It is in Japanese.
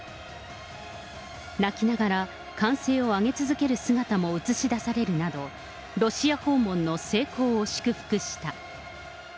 泣きながら歓声を上げ続ける姿も映し出されるなど、ロシア訪問の成功を祝福した。